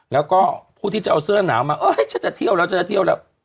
แล้วก็ผู้ที่จะเอาเสื้อหนาวมาเอ้ยฉันจะเที่ยวแล้วฉันจะเที่ยวแล้ว